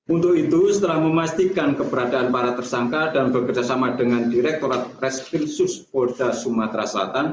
untuk itu setelah memastikan keberadaan para tersangka dan bekerjasama dengan direktorat reskrimsus polda sumatera selatan